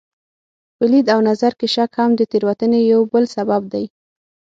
په لید او نظر کې شک هم د تېروتنې یو بل سبب دی.